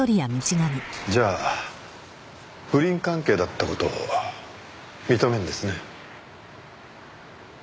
じゃあ不倫関係だった事を認めるんですね？